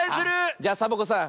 じゃサボ子さん